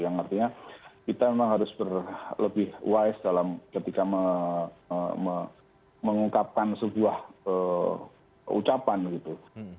yang artinya kita memang harus lebih wise dalam ketika mengungkapkan sebuah ucapan gitu